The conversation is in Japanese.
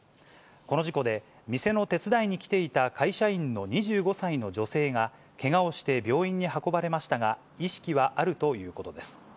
この事故で、店の手伝いに来ていた会社員の２５歳の女性が、けがをして病院に運ばれましたが、意識はあるということです。